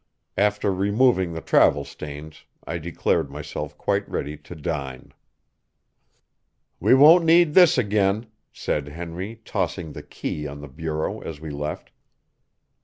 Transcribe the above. After removing the travel stains, I declared myself quite ready to dine. "We won't need this again," said Henry, tossing the key on the bureau as we left.